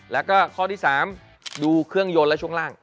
แล้วก็ข้อที่๓ดูเครื่องยนต์และช่วงล่าง